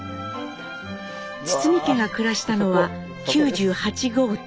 堤家が暮らしたのは９８号棟。